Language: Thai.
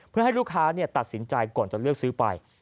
เพื่อให้ลูกค้าตัดสินใจก่อนจะเลือกซื้อไป